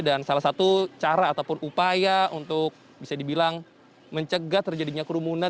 dan salah satu cara ataupun upaya untuk bisa dibilang mencegah terjadinya kerumunan